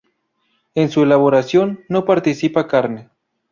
En su elaboración no participa carne.